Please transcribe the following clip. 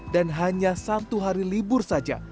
dan hanya satu hari libur saja